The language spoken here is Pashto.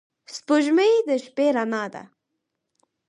• سپوږمۍ د شپې رڼا ده.